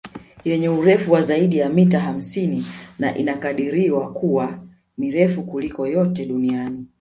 Yenye urefu wa zaidi ya mita hamsini na inakadiliwa kuwa mirefu kuliko yote duniani